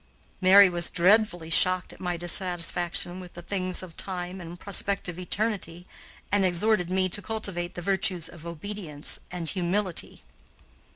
Mary was dreadfully shocked at my dissatisfaction with the things of time and prospective eternity, and exhorted me to cultivate the virtues of obedience and humility.